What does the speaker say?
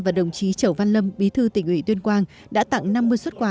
và đồng chí chẩu văn lâm bí thư tỉnh ủy tuyên quang đã tặng năm mươi xuất quà